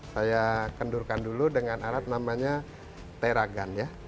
saya kendurkan dulu dengan alat namanya teragan ya